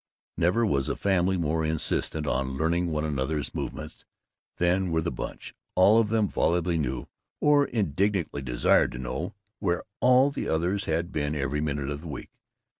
Never was a Family more insistent on learning one another's movements than were the Bunch. All of them volubly knew, or indignantly desired to know, where all the others had been every minute of the week.